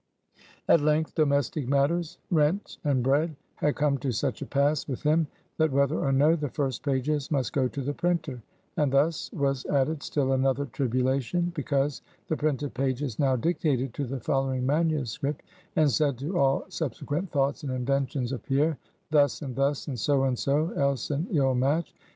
At length, domestic matters rent and bread had come to such a pass with him, that whether or no, the first pages must go to the printer; and thus was added still another tribulation; because the printed pages now dictated to the following manuscript, and said to all subsequent thoughts and inventions of Pierre Thus and thus; so and so; else an ill match.